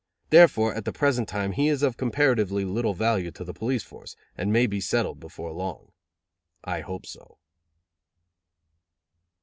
Therefore, at the present time he is of comparatively little value to the police force, and may be settled before long. I hope so.